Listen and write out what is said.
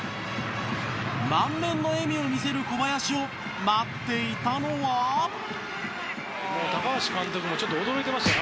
満面の笑みを見せる小林を待っていたのは古田：高橋監督もちょっと驚いてましたよ。